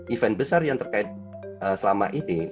event besar yang terkait selama ini